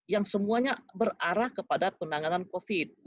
yang semuanya berarah kepada penanganan covid sembilan belas